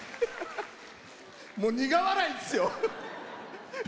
もう苦笑いですよ。